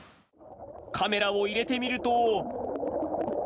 カメラを入れてみると。